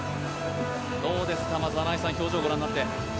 どうですか、表情をご覧になって。